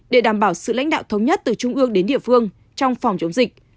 để đảm bảo sự lãnh đạo thống nhất từ trung ương đến địa phương trong phòng chống dịch